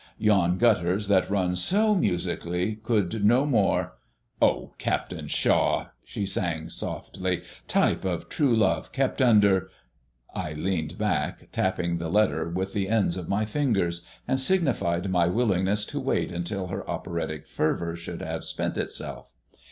Yon gutters that run so musically could no more " "'Oh, Captain Shaw!'" she sang softly, "'type of true love kept under '" I leaned back, tapping the letter with the ends of my fingers, and signified my willingness to wait until her operatic fervour should have spent itself.